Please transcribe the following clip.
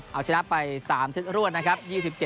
เอาเฉล้าไป๓ซึนรวดนะครับ